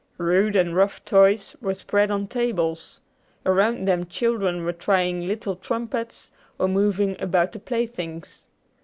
Rude and rough toys were spread on tables. Around them children were trying little trumpets, or moving about the playthings.